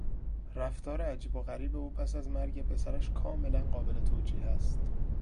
رفتار عجیب و غریب او پس از مرگ پسرش کاملا قابل توجیه است.